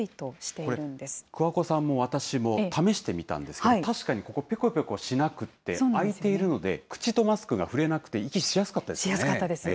これ、桑子さんも私も、試してみたんですけど、確かにここ、ぺこぺこしなくて、空いているので、口とマスクが触れなくて、息しやすかったです。